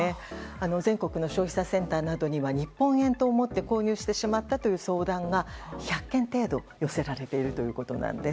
全国の消費者センターなどには日本円と思って購入してしまったという相談が１００件程度寄せられているということなんです。